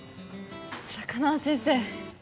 高輪先生